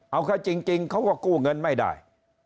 เอาเขาจริงเขาก็กู้เงินไม่ได้